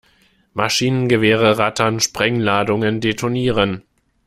Maschinengewehre rattern, Sprengladungen detonieren.